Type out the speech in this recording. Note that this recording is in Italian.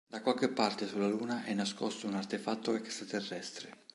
Da qualche parte sulla Luna è nascosto un artefatto extraterrestre.